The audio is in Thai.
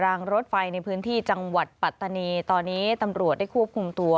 รางรถไฟในพื้นที่จังหวัดปัตตานีตอนนี้ตำรวจได้ควบคุมตัว